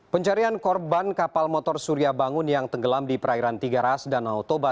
pencarian korban kapal motor surya bangun yang tenggelam di perairan tiga ras danau toba